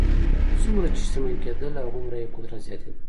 څومره چې شتمن کېدل هغومره یې قدرت زیاتېده.